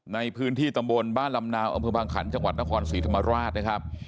ในพื้นที่ตำบลบ้านลำนาวอำเภอบางขันจังหวัดนครศรีธรรมราชนะครับ